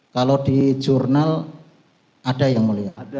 kalau di jurnal ada yang mulia